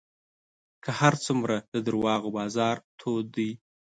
که هر څومره د دروغو بازار تود دی